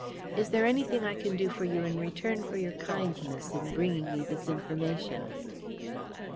Is there anything I can do for you in return for your kindness in bringing me this information?"